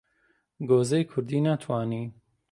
گۆزەی کوردی ناتوانی